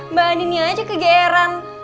mbak andinnya aja kegeran